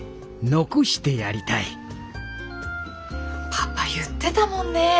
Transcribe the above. パパ言ってたもんね。